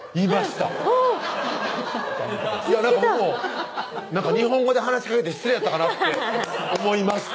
っなんか僕も日本語で話しかけて失礼やったかなって思いました